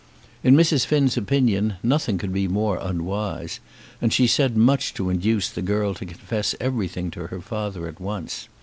In Mrs. Finn's opinion nothing could be more unwise, and she said much to induce the girl to confess everything to her father at once.